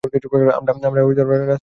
আমরা রাস্তায় কাঁটাতার লাগাবো না।